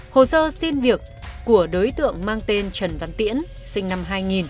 hồ sơ xin việc của đối tượng mang tên trần văn tiễn sinh năm hai nghìn